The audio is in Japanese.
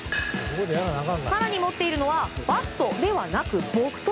更に、持っているのはバットではなく木刀。